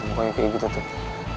mukanya kayak gitu tuh